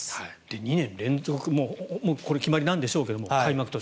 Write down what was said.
２年連続、これはもう決まりなんでしょうけど開幕投手。